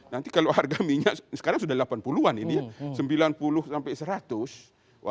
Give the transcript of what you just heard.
nanti kalau harga minyak sekarang sudah delapan puluh an ini ya